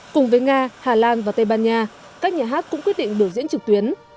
cùng với nga hà lan và tây ban nha các nhà hát cũng quyết định biểu diễn trực tuyến